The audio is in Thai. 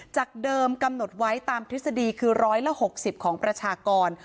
จากเดิมกำหนดไว้ตามทฤษฎีคือ๑๖๐ของประชากร